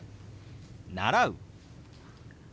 「習う」。